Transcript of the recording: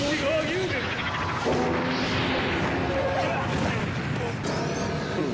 うん？